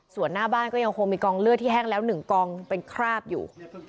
ส่วนหน้าบ้านก็ยังคงมีกองเลือดที่แห้งแล้ว๑กองเป็นคราบอยู่